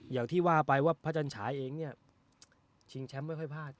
อย่างที่ว่าไปว่าพระจันฉายเองเนี่ยชิงแชมป์ไม่ค่อยพลาด